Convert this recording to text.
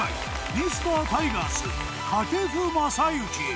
ミスタータイガース掛布雅之。